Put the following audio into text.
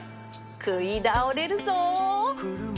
食い倒れるぞー